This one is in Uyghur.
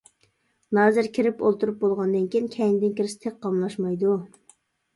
نازىر كىرىپ ئولتۇرۇپ بولغاندىن كېيىن كەينىدىن كىرسە تېخى قاملاشمايدۇ.